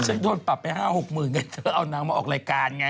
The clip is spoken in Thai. ฉันโดนปรับไป๕๖หมื่นไงเธอเอานางมาออกรายการไง